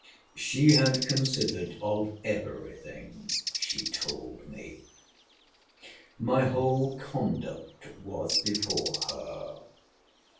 She had considered of every thing, she told me. My whole conduct was before her.